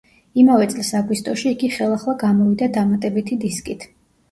იმავე წლის აგვისტოში იგი ხელახლა გამოვიდა, დამატებითი დისკით.